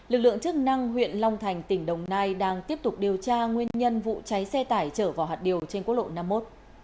lực lượng chức năng huyện long thành tỉnh đồng nai đang tiếp tục điều tra nguyên nhân vụ cháy xe tải chở vào hạt điều trên quốc lộ năm mươi một